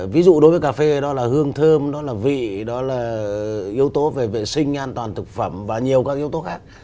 ví dụ đối với cà phê đó là hương thơm đó là vị đó là yếu tố về vệ sinh an toàn thực phẩm và nhiều các yếu tố khác